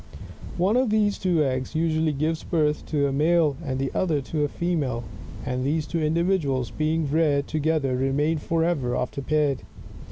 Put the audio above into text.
One of these two eggs usually gives birth to a male, and the other to a female : and these two individuals being reared together remain forever after paired.